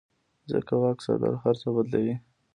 ځکه واک ساتل هر څه بدلوي.